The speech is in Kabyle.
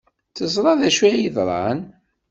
Teẓra d acu ay yeḍran.